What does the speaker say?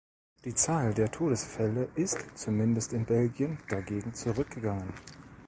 Die Zahl der Todesfälle ist, zumindest in Belgien, dagegen zurückgegangen.